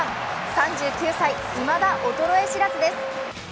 ３９歳、いまだ衰え知らずです。